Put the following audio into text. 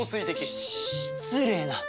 し失礼な！